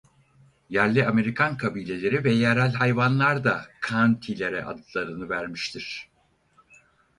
Yerli Amerikan kabileleri ve yerel hayvanlar da "county"lere adlarını vermiştir.